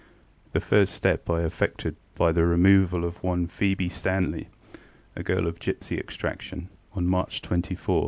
The first step I effected by the removal of one Phoebe Stanley, a girl of gipsy extraction, on March 24, 1792.